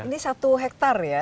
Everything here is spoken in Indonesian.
ini satu hektar ya